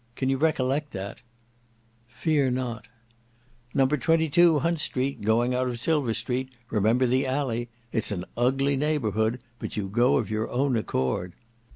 Can you recollect that?" "Fear not." "No. 22 Hunt Street, going out of Silver Street. Remember the alley. It's an ugly neighbourhood; but you go of your own accord."